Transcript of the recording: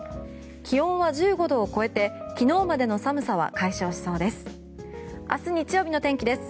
気温は１５度を超えて昨日までの寒さは解消しそうです。